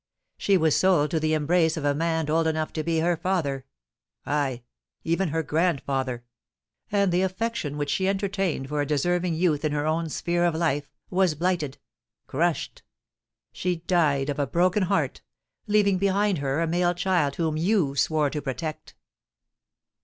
She was sold to the embrace of a man old enough to be her father—aye, even her grandfather;—and the affection which she entertained for a deserving youth in her own sphere of life, was blighted—crushed! She died of a broken heart—leaving behind her a male child whom you swore to protect!"